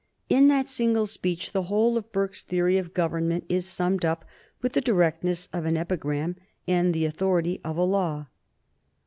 In that single sentence the whole of Burke's theory of government is summed up with the directness of an epigram and with the authority of a law.